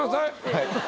はい。